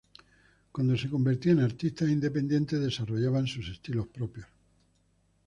Cuando se convertían en artistas independientes desarrollaban sus estilos propios.